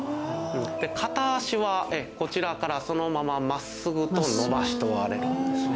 片足はこちらからそのまま真っすぐと伸ばしておられるんですね。